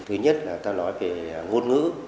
thứ nhất là ta nói về ngôn ngữ